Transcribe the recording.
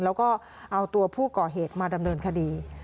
แล้วก็เอาตัวผู้ก่อเหตุมาดำเนินคดี